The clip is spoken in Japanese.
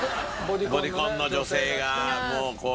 ボディコンの女性がもうこうやって。